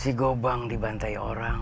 si gopang dibantai orang